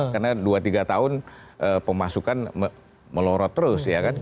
karena dua tiga tahun pemasukan melorot terus ya kan